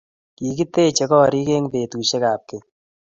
Kikiteche korik eng petusiek ab keny